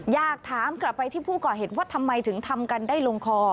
อยากถามกลับไปที่ผู้ก่อเหตุว่าทำไมถึงทำกันได้ลงคอ